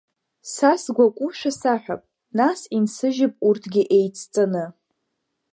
Са сгәакушәа саҳәап, нас инсыжьып урҭгьы еицҵаны.